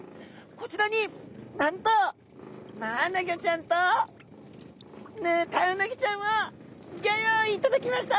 こちらになんとマアナゴちゃんとヌタウナギちゃんをギョよういいただきました！